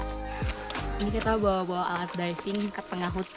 kami membawa alat diving ke tengah hutan